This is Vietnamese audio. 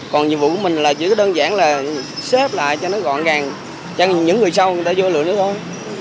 còn nhiệm vụ của mình là chỉ đơn giản là xếp lại cho nó gọn gàng cho những người sau người ta vô lửa nữa thôi